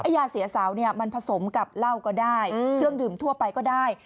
ยาเสียเสาเนี่ยมันผสมกับเหล้าก็ได้เครื่องดื่มทั่วไปก็ได้